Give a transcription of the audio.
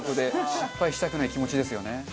失敗したくない気持ちですよね。